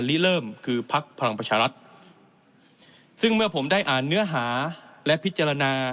ลิเริ่มคือพักพลังประชารัฐซึ่งเมื่อผมได้อ่านเนื้อหาและพิจารณา